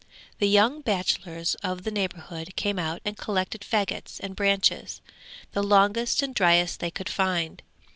The young bachelors of the neighbourhood came out and collected faggots and branches, the longest and driest they could find.